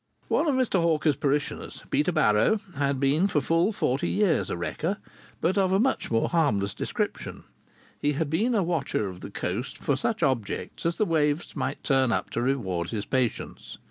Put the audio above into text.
One of Mr. Hawker's parishioners, Peter Barrow, had been for full forty years a wrecker, but of a much more harmless description: he had been a watcher of the coast for such objects as the waves might turn up to reward his patience.